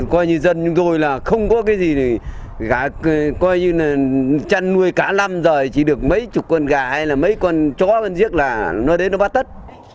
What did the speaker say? coi như dân rồi là không có cái gì coi như chăn nuôi cả năm rồi chỉ được mấy chục con gà hay là mấy con chó con giết là nó đến nó bắt tất